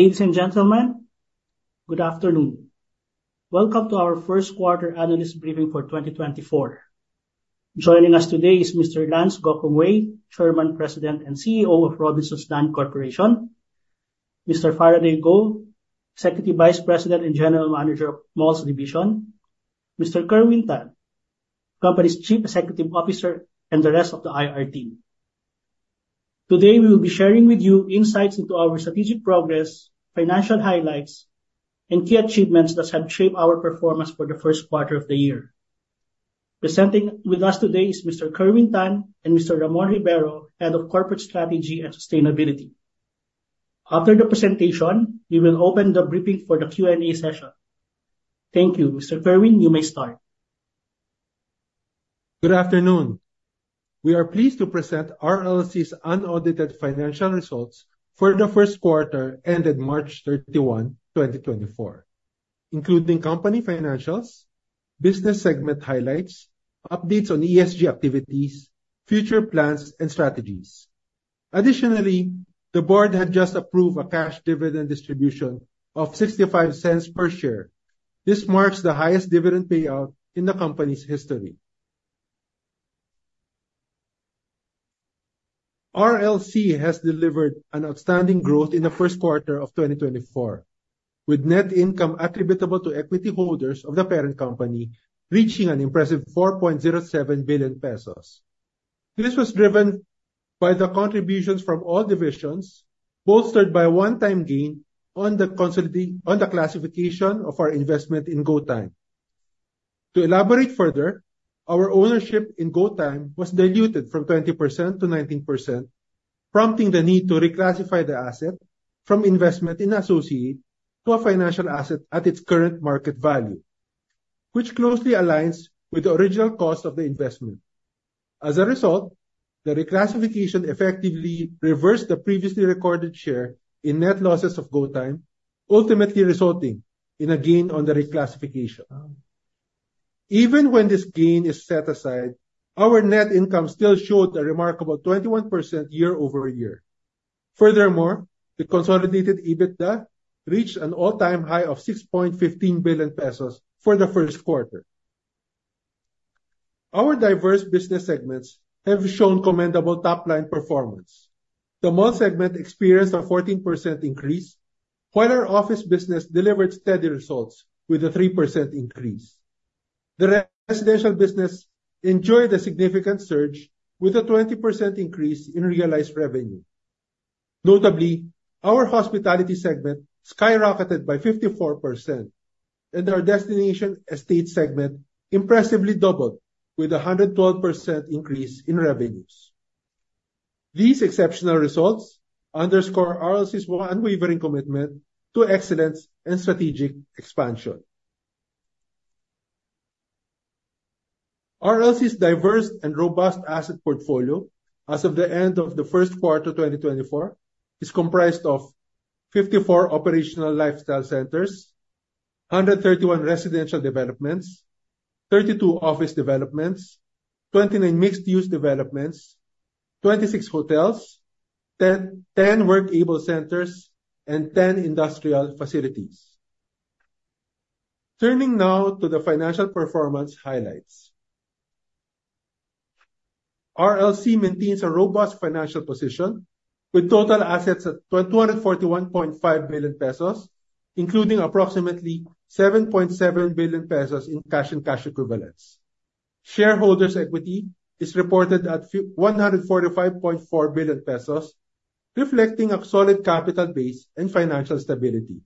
Ladies and gentlemen, good afternoon. Welcome to our first quarter analyst briefing for 2024. Joining us today is Mr. Lance Gokongwei, Chairman, President, and CEO of Robinsons Land Corporation, Mr. Faraday Go, Executive Vice President and General Manager of Malls Division, Mr. Kerwin Tan, company's Chief Financial Officer, and the rest of the IR team. Today, we'll be sharing with you insights into our strategic progress, financial highlights, and key achievements that have shaped our performance for the first quarter of the year. Presenting with us today is Mr. Kerwin Tan and Mr. Ramon Rivero, Head of Corporate Strategy and Sustainability. After the presentation, we will open the briefing for the Q&A session. Thank you. Mr. Kerwin, you may start. Good afternoon. We are pleased to present RLC's unaudited financial results for the first quarter ended March 31, 2024, including company financials, business segment highlights, updates on ESG activities, future plans, and strategies. Additionally, the board had just approved a cash dividend distribution of 0.65 per share. This marks the highest dividend payout in the company's history. RLC has delivered an outstanding growth in the first quarter of 2024, with net income attributable to equity holders of the parent company reaching an impressive 4.07 billion pesos. This was driven by the contributions from all divisions, bolstered by a one-time gain on the classification of our investment in GoTyme. To elaborate further, our ownership in GoTyme was diluted from 20%-19%, prompting the need to reclassify the asset from investment in associate to a financial asset at its current market value, which closely aligns with the original cost of the investment. As a result, the reclassification effectively reversed the previously recorded share in net losses of GoTyme, ultimately resulting in a gain on the reclassification. Even when this gain is set aside, our net income still showed a remarkable 21% year-over-year. Furthermore, the consolidated EBITDA reached an all-time high of 6.15 billion pesos for the first quarter. Our diverse business segments have shown commendable top-line performance. The mall segment experienced a 14% increase, while our office business delivered steady results with a 3% increase. The residential business enjoyed a significant surge with a 20% increase in realized revenue. Notably, our hospitality segment skyrocketed by 54%, and our destination estate segment impressively doubled with 112% increase in revenues. These exceptional results underscore RLC's unwavering commitment to excellence and strategic expansion. RLC's diverse and robust asset portfolio as of the end of the first quarter 2024 is comprised of 54 operational lifestyle centers, 131 residential developments, 32 office developments, 29 mixed-use developments, 26 hotels, 10 workable centers, and 10 industrial facilities. Turning now to the financial performance highlights. RLC maintains a robust financial position with total assets at 241.5 billion pesos, including approximately 7.7 billion pesos in cash and cash equivalents. Shareholders' equity is reported at 145.4 billion pesos, reflecting a solid capital base and financial stability.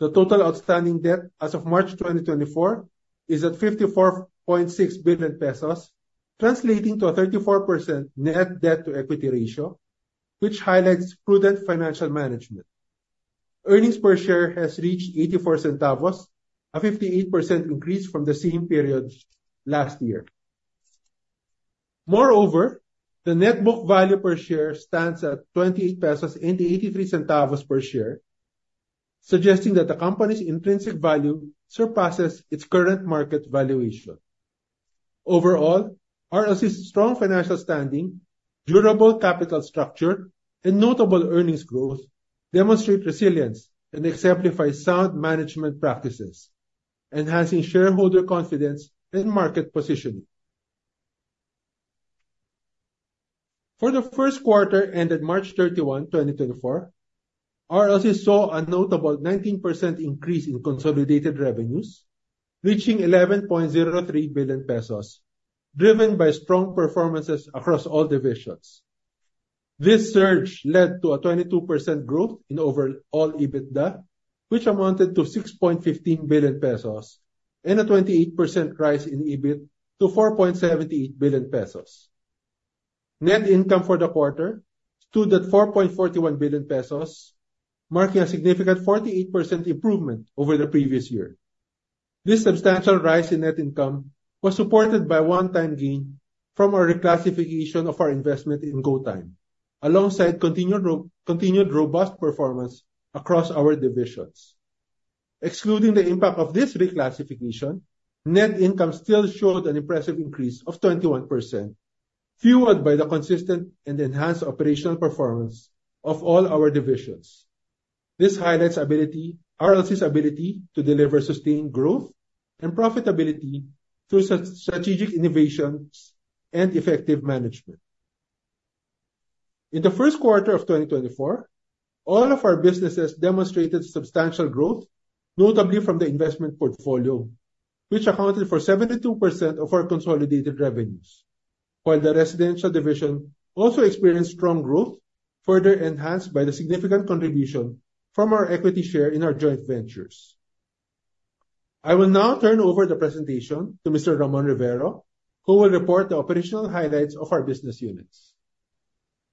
The total outstanding debt as of March 2024 is at 54.6 billion pesos, translating to a 34% net debt-to-equity ratio, which highlights prudent financial management. Earnings per share has reached 0.84, a 58% increase from the same period last year. Moreover, the net book value per share stands at 28.83 pesos per share, suggesting that the company's intrinsic value surpasses its current market valuation. Overall, RLC's strong financial standing, durable capital structure, and notable earnings growth demonstrate resilience and exemplify sound management practices, enhancing shareholder confidence and market positioning. For the first quarter ended March 31, 2024, RLC saw a notable 19% increase in consolidated revenues, reaching 11.03 billion pesos, driven by strong performances across all divisions. This surge led to a 22% growth in overall EBITDA, which amounted to 6.15 billion pesos and a 28% rise in EBIT to 4.78 billion pesos. Net income for the quarter stood at 4.41 billion pesos, marking a significant 48% improvement over the previous year. This substantial rise in net income was supported by a one-time gain from our reclassification of our investment in GoTyme, alongside continued robust performance across our divisions. Excluding the impact of this reclassification, net income still showed an impressive increase of 21%, fueled by the consistent and enhanced operational performance of all our divisions. This highlights RLC's ability to deliver sustained growth and profitability through strategic innovations and effective management. In the first quarter of 2024, all of our businesses demonstrated substantial growth, notably from the investment portfolio, which accounted for 72% of our consolidated revenues. While the residential division also experienced strong growth, further enhanced by the significant contribution from our equity share in our joint ventures. I will now turn over the presentation to Mr. Ramon Rivero, who will report the operational highlights of our business units.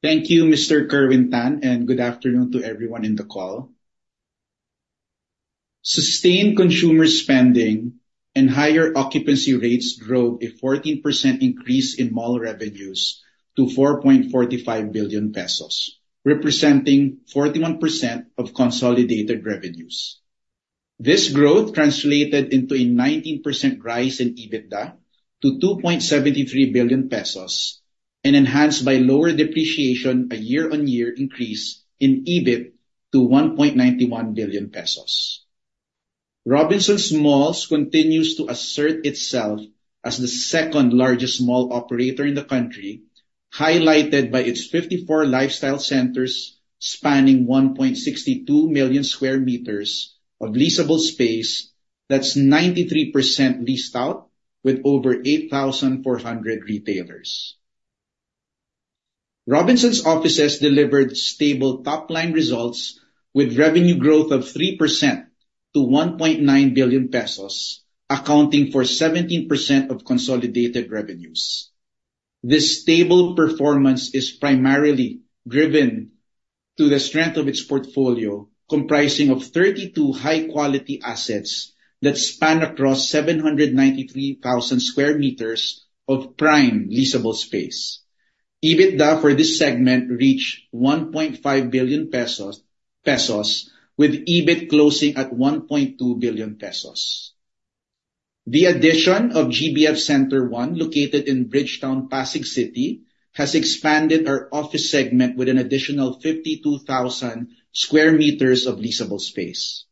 Thank you, Mr. Kerwin Tan, and good afternoon to everyone in the call. Sustained consumer spending and higher occupancy rates drove a 14% increase in mall revenues to 4.45 billion pesos, representing 41% of consolidated revenues. This growth translated into a 19% rise in EBITDA to 2.73 billion pesos and enhanced by lower depreciation, a year-on-year increase in EBIT to 1.91 billion pesos. Robinsons Malls continues to assert itself as the second-largest mall operator in the country, highlighted by its 54 lifestyle centers, spanning 1.62 million sq m of leasable space that's 93% leased out with over 8,400 retailers. Robinsons Offices delivered stable top-line results with revenue growth of 3% to 1.9 billion pesos, accounting for 17% of consolidated revenues. This stable performance is primarily driven by the strength of its portfolio, comprising of 32 high-quality assets that span across 793,000 sq m of prime leasable space. EBITDA for this segment reached 1.5 billion pesos, with EBIT closing at 1.2 billion pesos. The addition of GBF Center 1, located in Bridgetowne, Pasig City, has expanded our office segment with an additional 52,000 sq m of leasable space.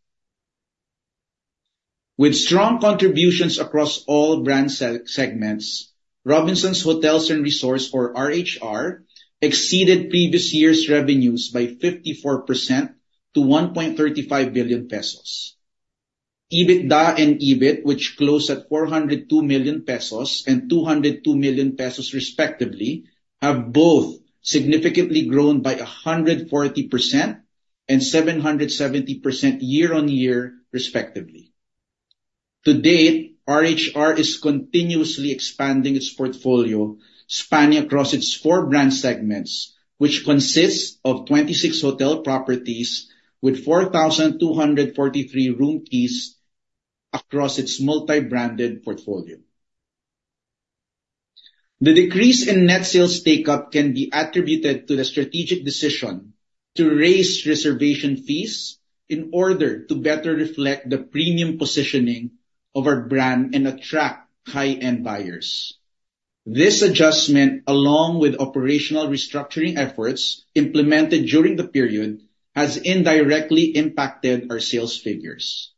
With strong contributions across all brand segments, Robinsons Hotels and Resorts, or RHR, exceeded previous year's revenues by 54% to 1.35 billion pesos. EBITDA and EBIT, which closed at 402 million pesos and 202 million pesos respectively, have both significantly grown by 140% and 770% year-on-year respectively. To date, RHR is continuously expanding its portfolio, spanning across its four brand segments, which consists of 26 hotel properties with 4,243 room keys across its multi-branded portfolio. The decrease in net sales take-up can be attributed to the strategic decision to raise reservation fees in order to better reflect the premium positioning of our brand and attract high-end buyers. This adjustment, along with operational restructuring efforts implemented during the period, has indirectly impacted our sales figures.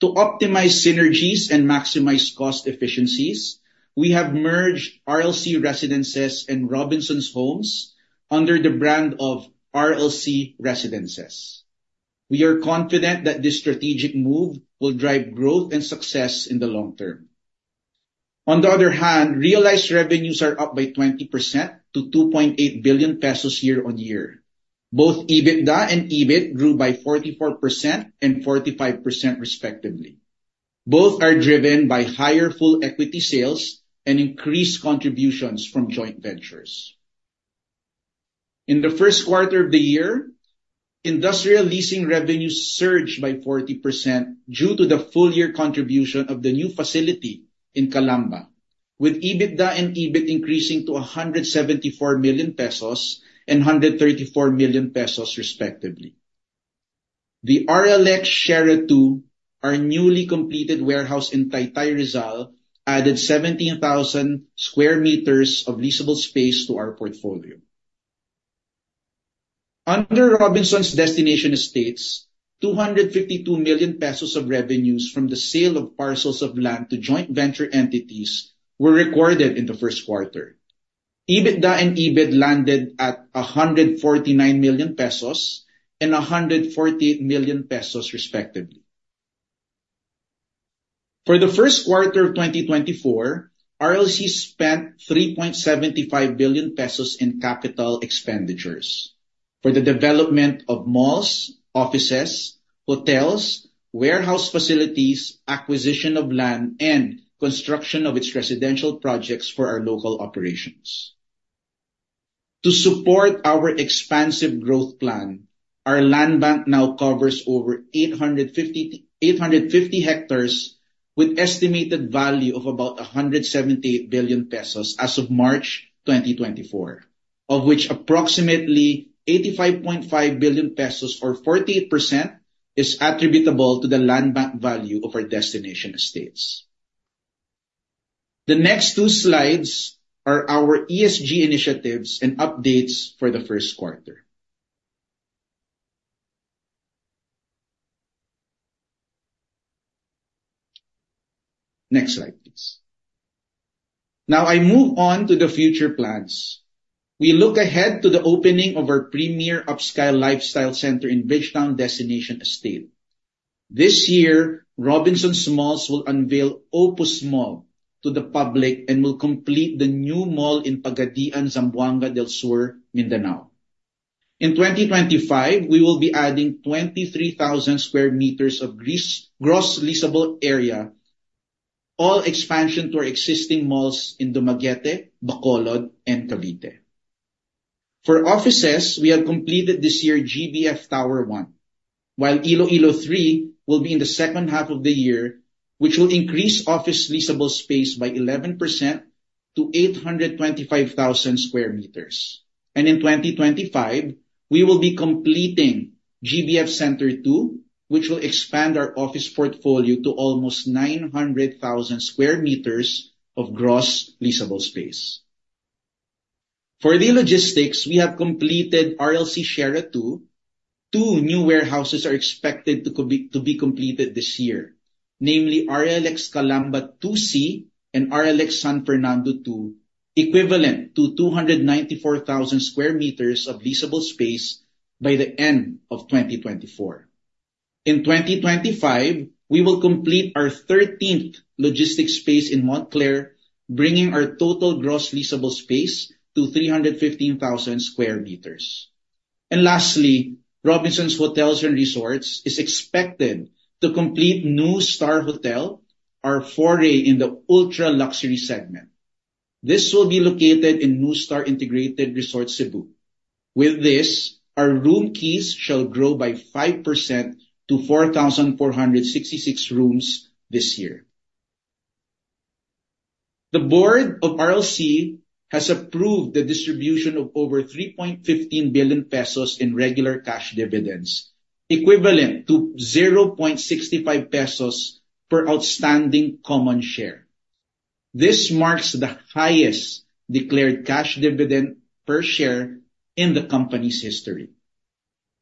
To optimize synergies and maximize cost efficiencies, we have merged RLC Residences and Robinsons Homes under the brand of RLC Residences. We are confident that this strategic move will drive growth and success in the long term. On the other hand, realized revenues are up by 20% to 2.8 billion pesos year-on-year. Both EBITDA and EBIT grew by 44% and 45% respectively. Both are driven by higher full equity sales and increased contributions from joint ventures. In the first quarter of the year, industrial leasing revenues surged by 40% due to the full year contribution of the new facility in Calamba, with EBITDA and EBIT increasing to 174 million pesos and 134 million pesos respectively. The RLX Sierra 2, our newly completed warehouse in Taytay, Rizal, added 17,000 sq m of leasable space to our portfolio. Under Robinsons Destination Estates, 252 million pesos of revenues from the sale of parcels of land to joint venture entities were recorded in the first quarter. EBITDA and EBIT landed at 149 million pesos and 148 million pesos respectively. For the first quarter of 2024, RLC spent 3.75 billion pesos in capital expenditures for the development of malls, offices, hotels, warehouse facilities, acquisition of land, and construction of its residential projects for our local operations. To support our expansive growth plan, our land bank now covers over 850 hectares with estimated value of about 178 billion pesos as of March 2024, of which approximately 85.5 billion pesos or 48% is attributable to the land bank value of our destination estates. The next two slides are our ESG initiatives and updates for the first quarter. Next slide, please. Now I move on to the future plans. We look ahead to the opening of our premier upscale lifestyle center in Bridgetowne Destination Estate. This year, Robinsons Malls will unveil Opus Mall to the public and will complete the new mall in Pagadian, Zamboanga del Sur, Mindanao. In 2025, we will be adding 23,000 sq m of gross leasable area, all expansion to our existing malls in Dumaguete, Bacolod and Cavite. For offices, we have completed this year GBF Center 1, while Iloilo 3 will be in the second half of the year, which will increase office leasable space by 11% to 825,000 sq m. In 2025, we will be completing GBF Center 2, which will expand our office portfolio to almost 900,000 sq m of gross leasable space. For the logistics, we have completed RLC Sierra 2. Two new warehouses are expected to be completed this year, namely RLX Calamba 2C and RLX San Fernando 2, equivalent to 294,000 sq m of leasable space by the end of 2024. In 2025, we will complete our 13th logistics space in Montclair, bringing our total gross leasable space to 315,000 sq m. Lastly, Robinsons Hotels and Resorts is expected to complete NUSTAR Hotel, our foray in the ultra-luxury segment. This will be located in NUSTAR Integrated Resort, Cebu. With this, our room keys shall grow by 5% to 4,466 rooms this year. The Board of RLC has approved the distribution of over 3.15 billion pesos in regular cash dividends, equivalent to 0.65 pesos per outstanding common share. This marks the highest declared cash dividend per share in the company's history.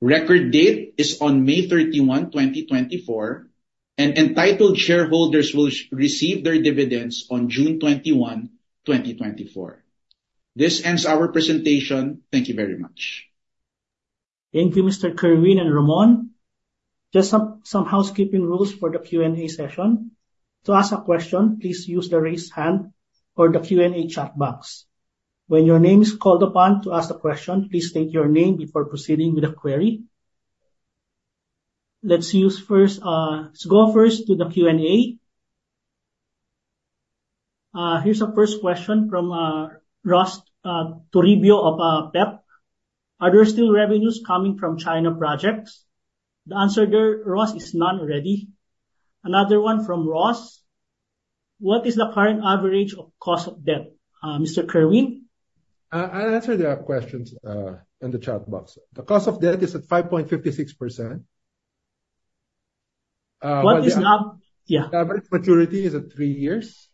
Record date is on May 31, 2024, and entitled shareholders will receive their dividends on June 21, 2024. This ends our presentation. Thank you very much. Thank you, Mr. Kerwin and Ramon. Just some housekeeping rules for the Q&A session. To ask a question, please use the raise hand or the Q&A chat box. When your name is called upon to ask the question, please state your name before proceeding with the query. Let's go first to the Q&A. Here's our first question from Ross Toribio of PEP. Are there still revenues coming from Chengdu projects? The answer there, Ross, is none ready. Another one from Ross. What is the current average of cost of debt? Mr. Kerwin? I answered that question in the chat box. The cost of debt is at 5.56%. Yeah. Average maturity is at three years,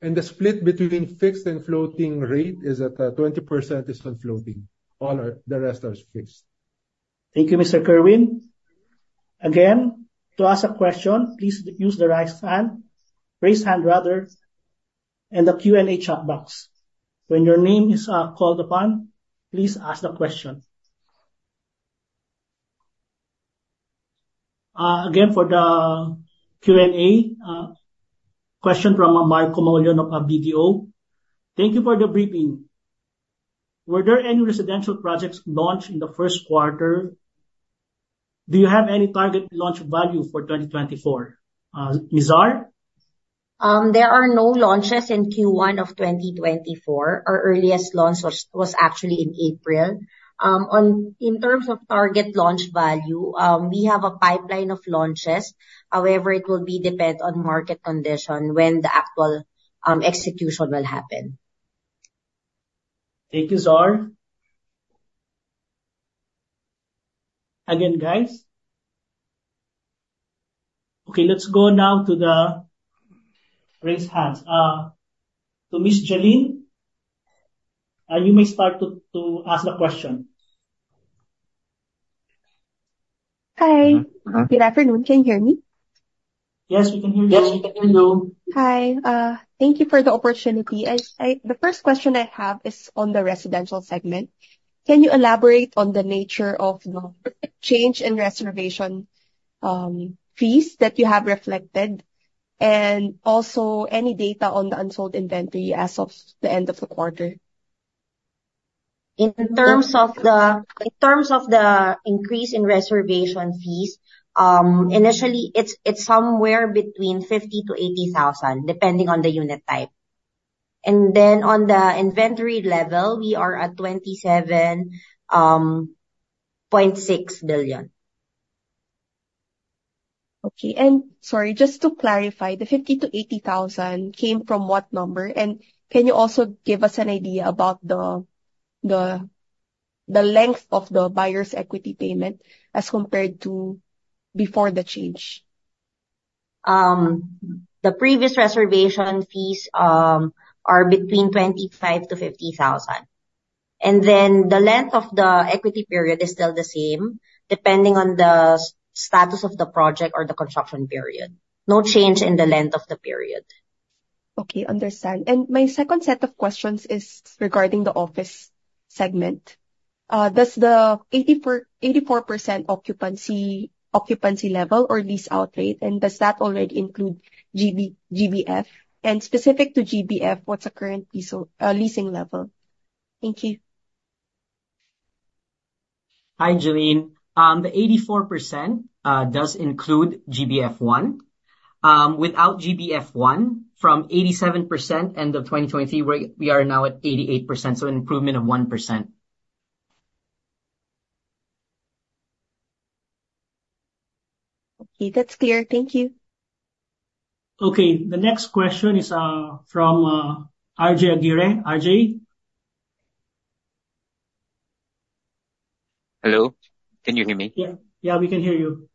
and the split between fixed and floating rate is at 20% on floating. All the rest are fixed. Thank you, Mr. Kerwin. Again, to ask a question, please use the raise hand, and the Q&A chat box. When your name is called upon, please ask the question. Again, for the Q&A, question from Marco Moleon of BDO. Thank you for the briefing. Were there any residential projects launched in the first quarter? Do you have any target launch value for 2024? Ms. Zar? There are no launches in Q1 of 2024. Our earliest launch was actually in April. In terms of target launch value, we have a pipeline of launches. However, it will be dependent on market condition when the actual execution will happen. Thank you, Zar. Again, guys. Okay, let's go now to the raise hands. To Ms. Jelline, you may start to ask the question. Hi. Good afternoon. Can you hear me? Yes, we can hear you. Yes, we can hear you. Hi. Thank you for the opportunity. The first question I have is on the residential segment. Can you elaborate on the nature of the change in reservation fees that you have reflected, and also any data on the unsold inventory as of the end of the quarter? In terms of the increase in reservation fees, initially it's somewhere between 50,000-80,000, depending on the unit type. On the inventory level, we are at 27.6 billion. Okay. Sorry, just to clarify, the 50,000-80,000 came from what number? Can you also give us an idea about the length of the buyer's equity payment as compared to before the change? The previous reservation fees are between 25,000-50,000. The length of the equity period is still the same, depending on the status of the project or the construction period. No change in the length of the period. Okay, understand. My second set of questions is regarding the office segment. Does the 84% occupancy level or lease out rate, and does that already include GBF? Specific to GBF, what's the current leasing level? Thank you. Hi, Jelline. The 84% does include GBF 1. Without GBF 1, from 87% end of 2023, we are now at 88%, so an improvement of 1%. Okay, that's clear. Thank you. Okay. The next question is from RJ Aguirre. RJ? Hello? Can you hear me? Yeah. We can hear you.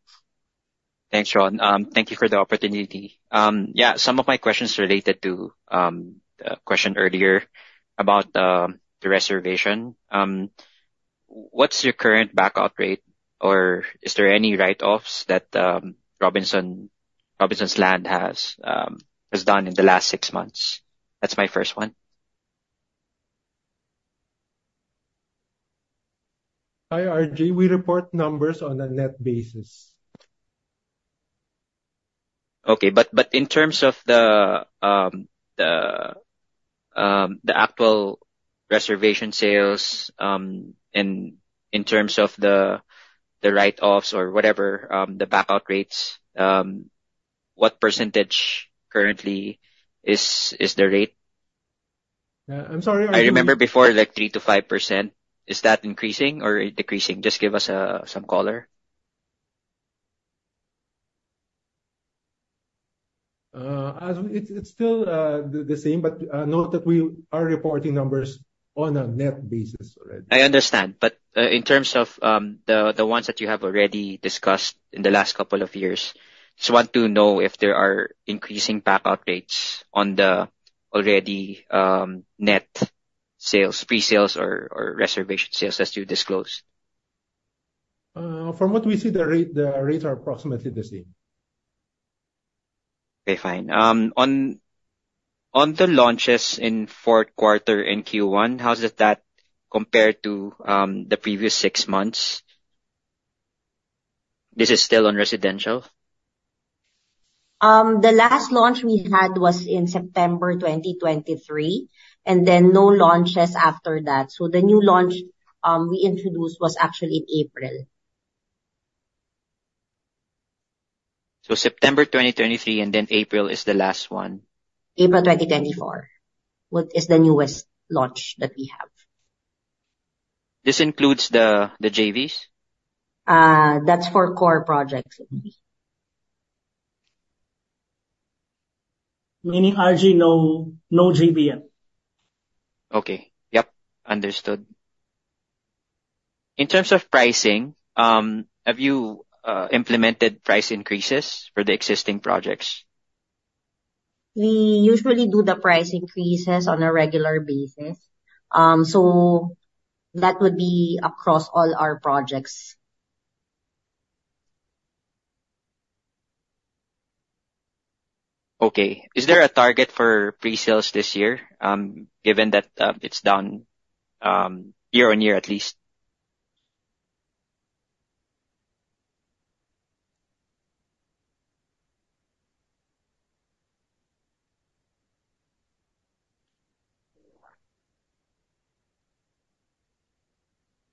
Thanks, Rom. Thank you for the opportunity. Yeah, some of my questions related to the question earlier about the reservation. What's your current back-out rate? Or is there any write-offs that Robinsons Land has done in the last six months? That's my first one. Hi, RJ. We report numbers on a net basis. Okay. In terms of the actual reservation sales, and in terms of the write-offs or whatever, the back-out rates, what percentage currently is the rate? I'm sorry, RJ. I remember before, like 3%-5%. Is that increasing or decreasing? Just give us some color. It's still the same, but note that we are reporting numbers on a net basis already. I understand. In terms of the ones that you have already discussed in the last couple of years, just want to know if there are increasing back-out rates on the already net sales, pre-sales or reservation sales as you disclosed? From what we see, the rates are approximately the same. Okay, fine. On the launches in fourth quarter and Q1, how does that compare to the previous six months? This is still on residential. The last launch we had was in September 2023, and then no launches after that. The new launch we introduced was actually in April. September 2023 and then April is the last one. April 2024 is the newest launch that we have. This includes the JVs? That's for core projects only. Meaning, RJ, no GBF. Okay. Yep. Understood. In terms of pricing, have you implemented price increases for the existing projects? We usually do the price increases on a regular basis. That would be across all our projects. Okay. Is there a target for pre-sales this year? Given that it's down year-over-year, at least.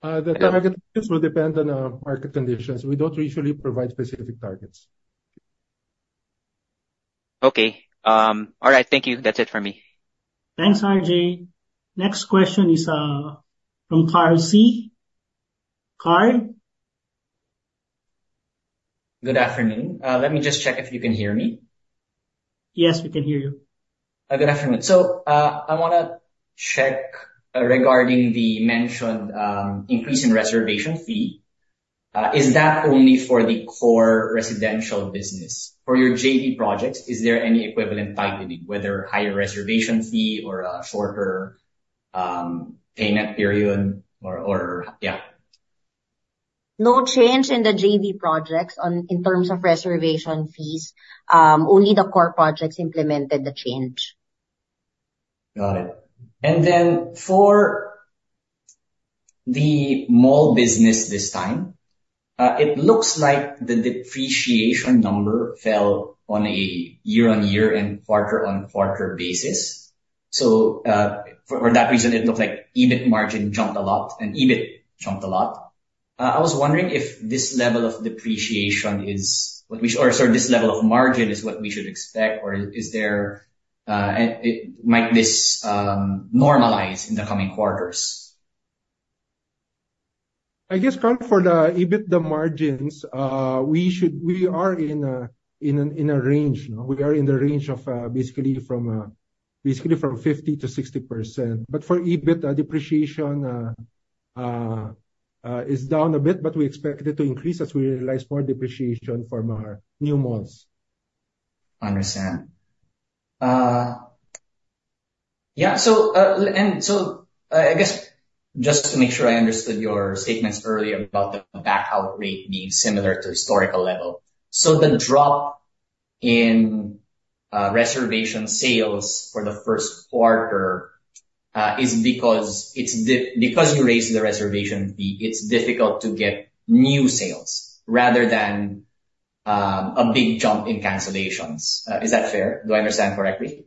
The target will depend on our market conditions. We don't usually provide specific targets. Okay. All right. Thank you. That's it from me. Thanks, RJ. Next question is from Carl Sy. Carl? Good afternoon. Let me just check if you can hear me. Yes, we can hear you. Good afternoon. I want to check regarding the mentioned increase in reservation fee. Is that only for the core residential business? For your JV projects, is there any equivalent titling, whether higher reservation fee or a shorter payment period? No change in the JV projects in terms of reservation fees. Only the core projects implemented the change. Got it. For the mall business this time, it looks like the depreciation number fell on a year-on-year and quarter-on-quarter basis. For that reason, it looks like EBIT margin jumped a lot and EBIT jumped a lot. I was wondering if this level of margin is what we should expect, or might this normalize in the coming quarters? I guess, Carl, for the EBIT margins, we are in the range of basically 50%-60%. For EBIT, depreciation is down a bit, but we expect it to increase as we realize more depreciation from our new malls. Understand. Yeah. I guess, just to make sure I understood your statements earlier about the back-out rate being similar to historical level. The drop in reservation sales for the first quarter is because you raised the reservation fee, it's difficult to get new sales rather than a big jump in cancellations. Is that fair? Do I understand correctly?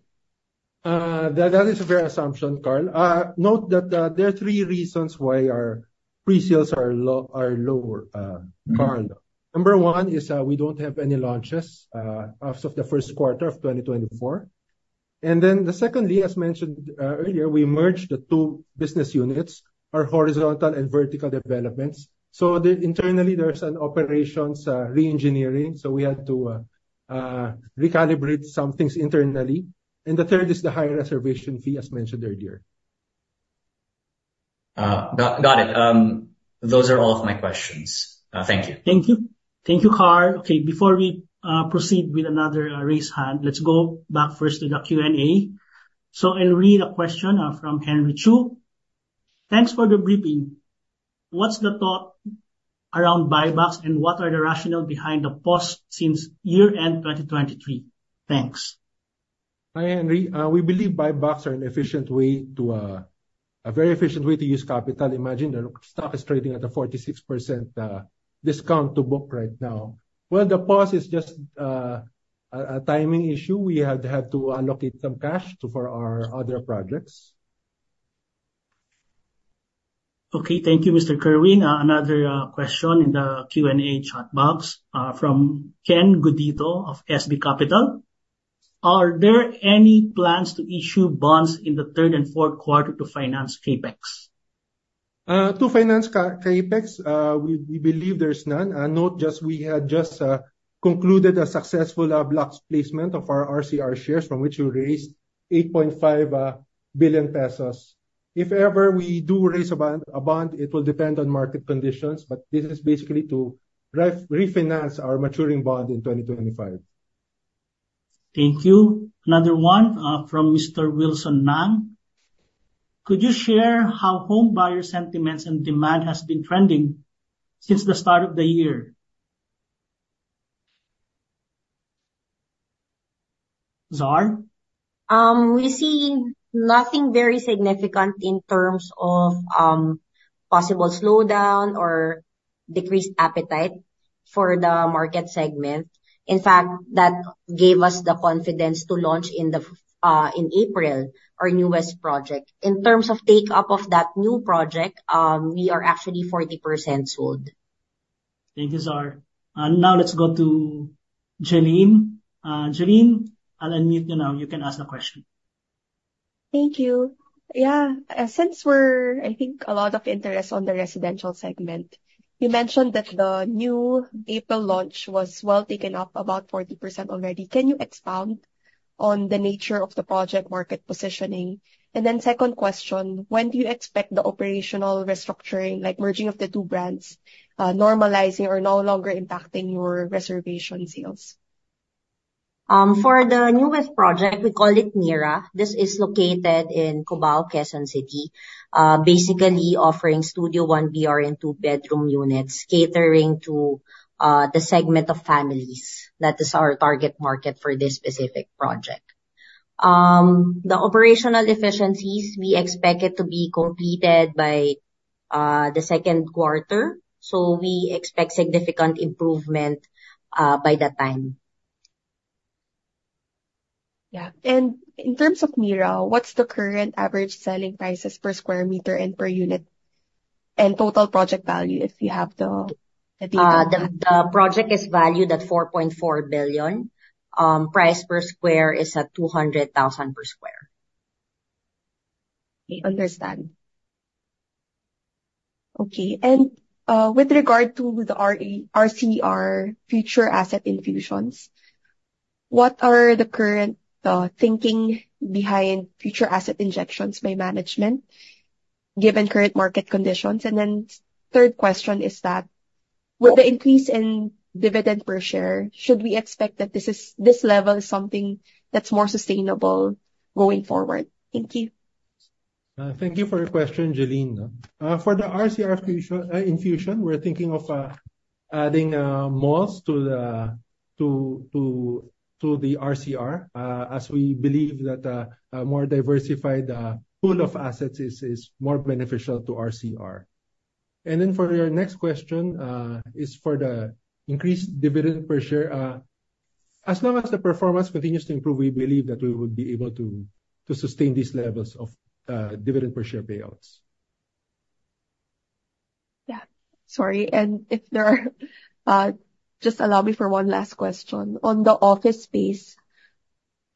That is a fair assumption, Carl. Note that there are three reasons why our pre-sales are lower, Carl. Number one is we don't have any launches as of the first quarter of 2024. Then the secondly, as mentioned earlier, we merged the two business units, our horizontal and vertical developments. Internally, there's an operations re-engineering. We had to recalibrate some things internally. The third is the higher reservation fee as mentioned earlier. Got it. Those are all of my questions. Thank you. Thank you. Thank you, Carl. Okay, before we proceed with another raised hand, let's go back first to the Q&A. I'll read a question from Henry Chu. Thanks for the briefing. What's the thought around buybacks and what are the rationale behind the pause since year-end 2023? Thanks. Hi, Henry. We believe buybacks are a very efficient way to use capital. Imagine the stock is trading at a 46% discount to book right now. Well, the pause is just a timing issue. We had to allocate some cash for our other projects. Okay. Thank you, Mr. Kerwin. Another question in the Q&A chat box from Ken Groyon of SB Capital. Are there any plans to issue bonds in the third and fourth quarter to finance CapEx? To finance CapEx, we believe there's none. Note we had just concluded a successful blocks placement of our RCR shares from which we raised 8.5 billion pesos. If ever we do raise a bond, it will depend on market conditions. This is basically to refinance our maturing bond in 2025. Thank you. Another one from Mr. Wilson Ng. Could you share how home buyer sentiments and demand has been trending since the start of the year? Zar? We see nothing very significant in terms of possible slowdown or decreased appetite for the market segment. In fact, that gave us the confidence to launch in April our newest project. In terms of take-up of that new project, we are actually 40% sold. Thank you, Zar. Now let's go to Jelline. Jelline, I'll unmute you now. You can ask the question. Thank you. Yeah. Since we're seeing, I think, a lot of interest on the residential segment, you mentioned that the new April launch was well taken up about 40% already. Can you expound on the nature of the project market positioning? Second question, when do you expect the operational restructuring, like merging of the two brands, normalizing or no longer impacting your reservation sales? For the newest project, we call it Mira. This is located in Cubao, Quezon City, basically offering studio one BR and two-bedroom units, catering to the segment of families. That is our target market for this specific project. The operational efficiencies, we expect it to be completed by the second quarter. We expect significant improvement by that time. Yeah. In terms of Mira, what's the current average selling prices per square meter and per unit and total project value, if you have the detail? The project is valued at 4.4 billion. Price per square is at 200,000 per square. Okay, I understand. Okay. With regard to the RCR future asset infusions, what are the current thinking behind future asset injections by management, given current market conditions? Third question is that, with the increase in dividend per share, should we expect that this level is something that's more sustainable going forward? Thank you. Thank you for your question, Jelline. For the RCR infusion, we're thinking of adding malls to the RCR, as we believe that a more diversified pool of assets is more beneficial to RCR. For your next question is for the increased dividend per share. As long as the performance continues to improve, we believe that we would be able to sustain these levels of dividend per share payouts. Yeah. Sorry. Just allow me for one last question. On the office space,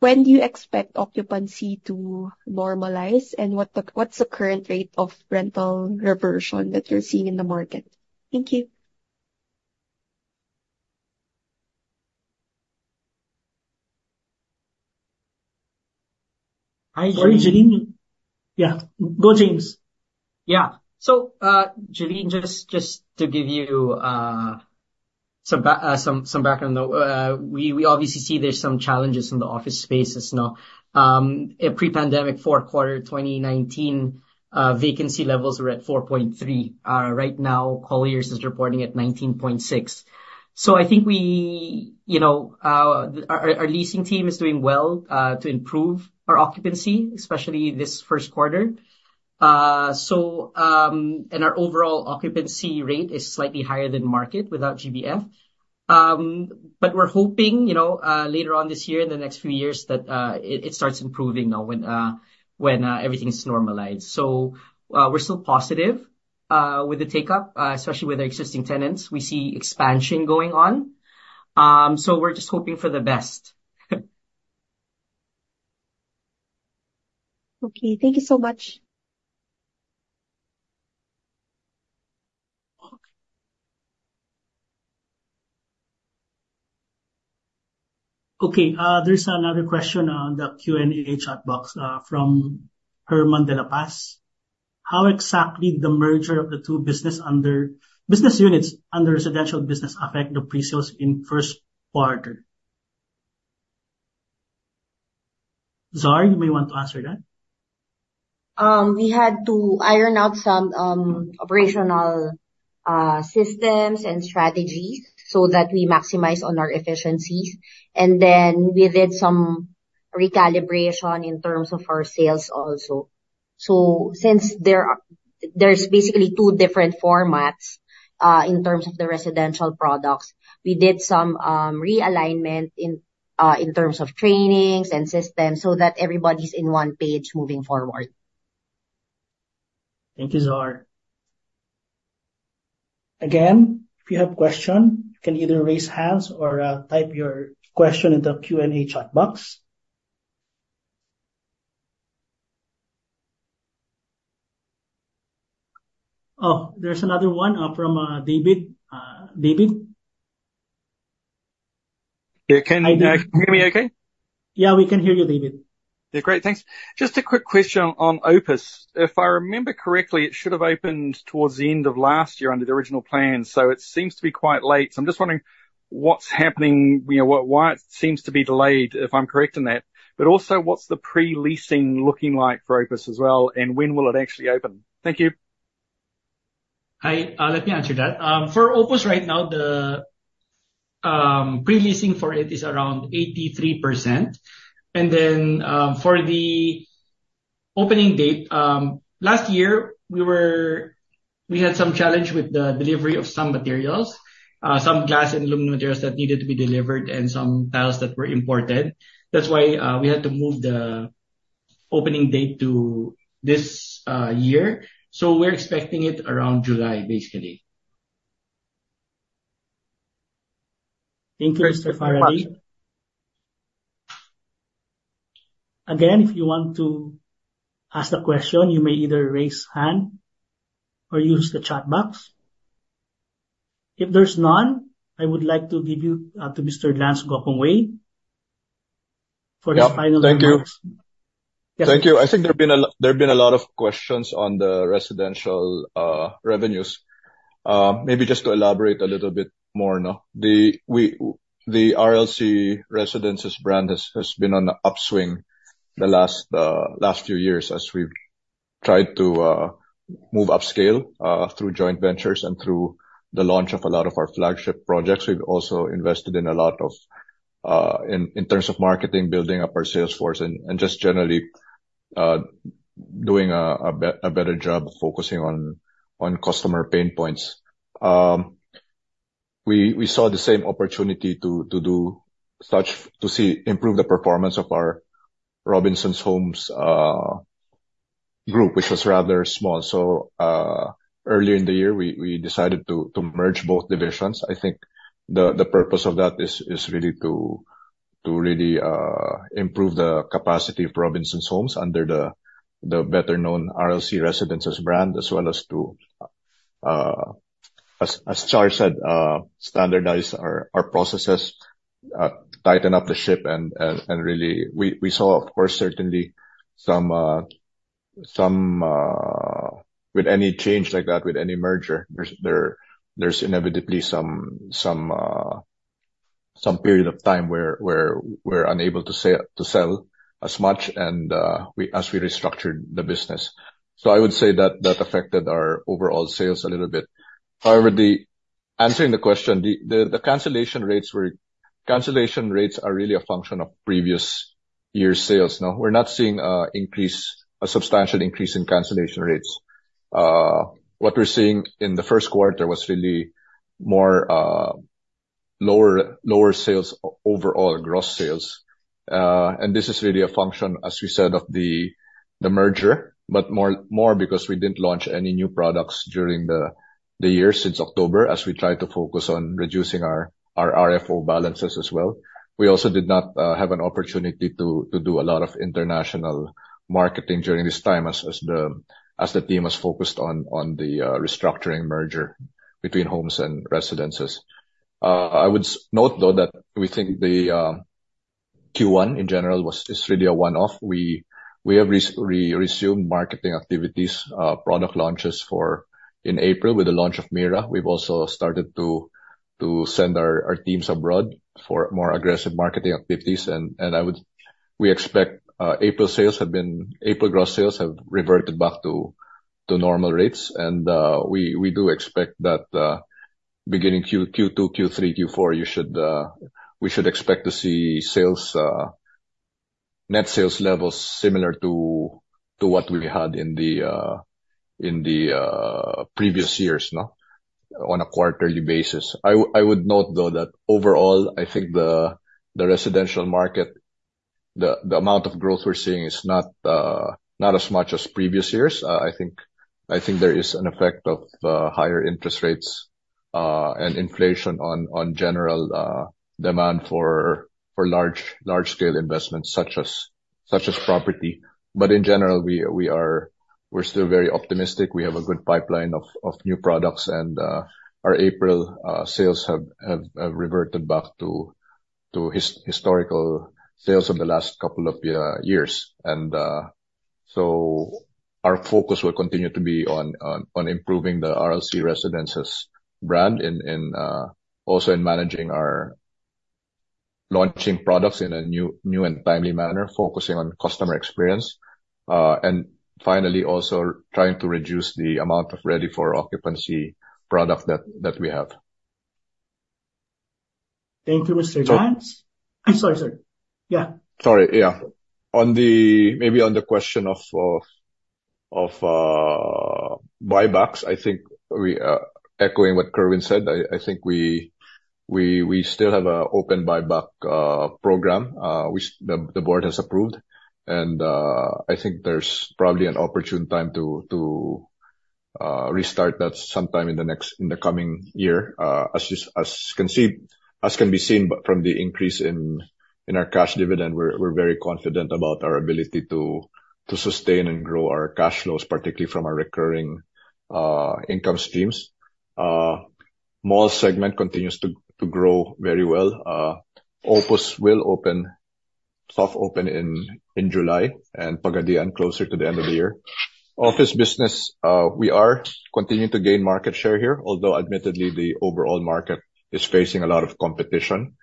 when do you expect occupancy to normalize, and what's the current rate of rental reversion that you're seeing in the market? Thank you. Hi, Jelline. Sorry, Jelline. Yeah. Go, James. Yeah. Jelline, just to give you some background, though. We obviously see there's some challenges in the office space as well. Pre-pandemic fourth quarter 2019 vacancy levels were at 4.3%. Right now, Colliers is reporting at 19.6%. I think our leasing team is doing well to improve our occupancy, especially this first quarter. Our overall occupancy rate is slightly higher than market without GBF. We're hoping, later on this year, in the next few years, that it starts improving now when everything's normalized. We're still positive with the take-up, especially with our existing tenants. We see expansion going on. We're just hoping for the best. Okay, thank you so much. Okay. There's another question on the Q&A chat box from Herman Dela Paz. How exactly the merger of the two business units under residential business affect the pre-sales in first quarter? Zar, you may want to answer that. We had to iron out some operational systems and strategies so that we maximize on our efficiencies. Then we did some recalibration in terms of our sales also. Since there's basically two different formats in terms of the residential products, we did some realignment in terms of trainings and systems so that everybody's on one page moving forward. Thank you, Zar. Again, if you have question, you can either raise hands or type your question in the Q&A chat box. Oh, there's another one from David. David? Yeah. Can you hear me okay? Yeah, we can hear you, David. Yeah, great. Thanks. Just a quick question on Opus. If I remember correctly, it should have opened towards the end of last year under the original plan. It seems to be quite late. I'm just wondering what's happening, why it seems to be delayed, if I'm correct in that. But also, what's the pre-leasing looking like for Opus as well, and when will it actually open? Thank you. Hi, let me answer that. For Opus right now, the pre-leasing for it is around 83%. For the opening date, last year, we had some challenge with the delivery of some materials, some glass and aluminum materials that needed to be delivered and some tiles that were imported. That's why we had to move the opening date to this year. We're expecting it around July, basically. Thank you, Mr. Faraday. Again, if you want to ask a question, you may either raise hand or use the chat box. If there's none, I would like to give you to Mr. Lance Gokongwei for his final remarks. Yeah. Thank you. Yes. Thank you. I think there have been a lot of questions on the residential revenues. Maybe just to elaborate a little bit more. The RLC Residences brand has been on the upswing the last few years as we've tried to move upscale through joint ventures and through the launch of a lot of our flagship projects. We've also invested in terms of marketing, building up our sales force, and just generally doing a better job of focusing on customer pain points. We saw the same opportunity to improve the performance of our Robinsons Homes group, which was rather small. Earlier in the year, we decided to merge both divisions. I think the purpose of that is really to improve the capacity of Robinsons Homes under the better known RLC Residences brand, as well as to, as Zar said, standardize our processes, tighten up the ship, and really. We saw, of course, certainly with any change like that, with any merger, there's inevitably some period of time where we're unable to sell as much as we restructured the business. I would say that affected our overall sales a little bit. However, answering the question, the cancellation rates are really a function of previous year sales. No, we're not seeing a substantial increase in cancellation rates. What we're seeing in the first quarter was really more lower sales overall, gross sales. This is really a function, as we said, of the merger, but more because we didn't launch any new products during the year since October, as we try to focus on reducing our RFO balances as well. We also did not have an opportunity to do a lot of international marketing during this time as the team was focused on the restructuring merger between homes and residences. I would note, though, that we think the Q1, in general, is really a one-off. We have resumed marketing activities, product launches in April with the launch of Mira. We've also started to send our teams abroad for more aggressive marketing activities. We expect April gross sales have reverted back to normal rates. We do expect that beginning Q2, Q3, Q4, we should expect to see net sales levels similar to what we had in the previous years on a quarterly basis. I would note, though, that overall, I think the residential market, the amount of growth we're seeing is not as much as previous years. I think there is an effect of higher interest rates and inflation on general demand for large scale investments such as property. In general, we're still very optimistic. We have a good pipeline of new products, and our April sales have reverted back to historical sales over the last couple of years. Our focus will continue to be on improving the RLC Residences brand and also in managing our launching products in a new and timely manner, focusing on customer experience, finally also trying to reduce the amount of ready for occupancy product that we have. Thank you, Mr. Lance. I'm sorry, sir. Yeah. Sorry, yeah. Maybe on the question of buybacks, I think echoing what Kerwin said, I think we still have an open buyback program which the board has approved. I think there's probably an opportune time to restart that sometime in the coming year. As can be seen from the increase in our cash dividend, we're very confident about our ability to sustain and grow our cash flows, particularly from our recurring income streams. Mall segment continues to grow very well. Opus will soft open in July, and Pagadian closer to the end of the year. Office business, we are continuing to gain market share here, although admittedly, the overall market is facing a lot of competition.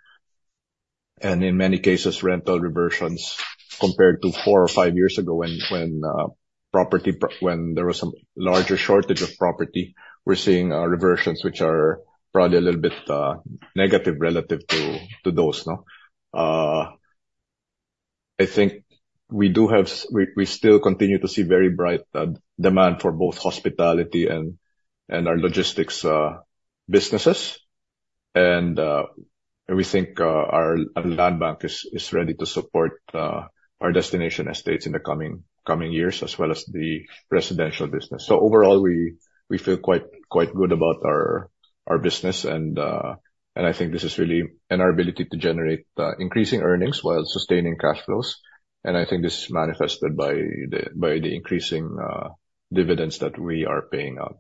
In many cases, rental reversions compared to four or five years ago when there was some larger shortage of property, we're seeing reversions which are probably a little bit negative relative to those. I think we still continue to see very bright demand for both hospitality and our logistics businesses. We think our land bank is ready to support our destination estates in the coming years as well as the residential business. Overall, we feel quite good about our business, and I think this is really in our ability to generate increasing earnings while sustaining cash flows. I think this is manifested by the increasing dividends that we are paying out.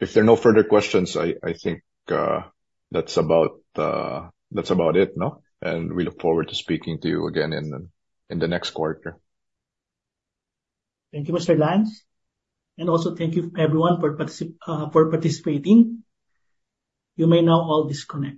If there are no further questions, I think that's about it. We look forward to speaking to you again in the next quarter. Thank you, Mr. Lance. Also thank you, everyone for participating. You may now all disconnect.